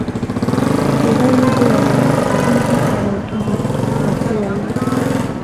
ډیری یې د ودانۍ په کارونو کې کارول کېږي په پښتو وینا.